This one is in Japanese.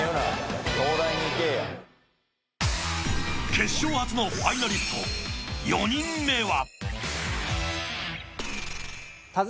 決勝初のファイナリスト４人目は。